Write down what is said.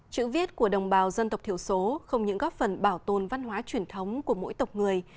chữ viết của đồng bào dân tộc thiểu số không những góp phần bảo tồn văn hóa truyền thống của mỗi tộc người